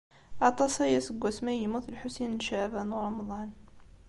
Aṭas aya seg wasmi ay yemmut Lḥusin n Caɛban u Ṛemḍan.